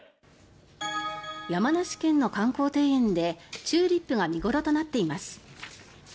山梨県の観光庭園でチューリップが見頃となっています。